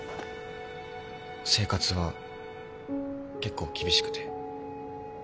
生活は結構厳しくて。